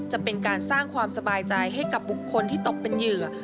จะเป็นการสร้างความสบายใจให้กับบุคคลที่ตกเป็นเหยื่อ